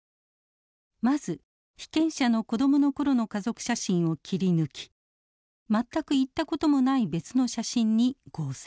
まず被験者の子どもの頃の家族写真を切り抜き全く行った事もない別の写真に合成。